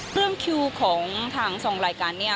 เรื่องคิวของทางสองรายการนี่